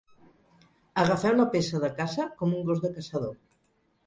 Agafem la peça de caça com un gos de caçador.